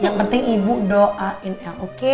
yang penting ibu doain yang oke